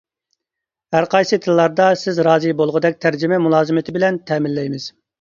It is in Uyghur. ھەرقايسى تىللاردا سىز رازى بولغۇدەك تەرجىمە مۇلازىمىتى بىلەن تەمىنلەيمىز.